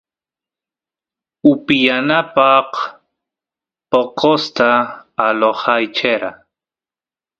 upiyanapaq poqosta alojayachera